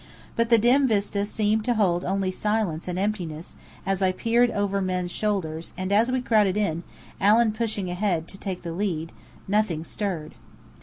But the dim vista seemed to hold only silence and emptiness as I peered over men's shoulders; and as we crowded in, Allen pushing ahead to take the lead, nothing stirred.